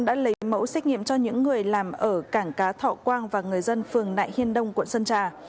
đã lấy mẫu xét nghiệm cho những người làm ở cảng cá thọ quang và người dân phường nại hiên đông quận sơn trà